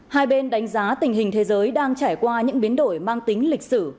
hai bên đánh giá tình hình thế giới đang trải qua những biến đổi mang tính lịch sử